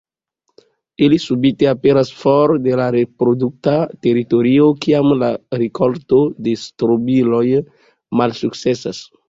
Ili subite aperas for de la reprodukta teritorio kiam la rikolto de strobiloj malsukcesas.